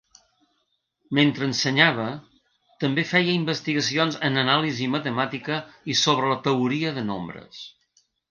Mentre ensenyava també feia investigacions en anàlisi matemàtica i sobre la teoria de nombres.